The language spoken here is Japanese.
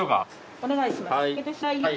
お願いします。